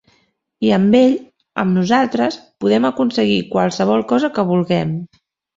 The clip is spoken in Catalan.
I amb ell, amb nosaltres, podem aconseguir qualsevol cosa que vulguem.